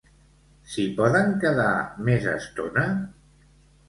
S'hi poden quedar més estona?